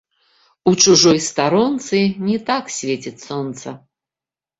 У чужой старонцы не так свеціць сонца